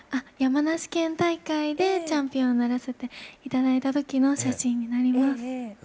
山梨県大会でチャンピオンにならせて頂いた時の写真になります。